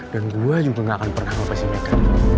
dan gue juga gak akan pernah lepasin mereka